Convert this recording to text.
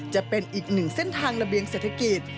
จะเป็นอีกหนึ่งเส้นทางระเบียงเศรษฐกิจ